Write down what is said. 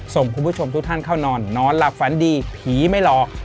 ส่งคุณผู้ชมทุกท่านเข้านอนนอนหลับฝันดีผีไม่หลอก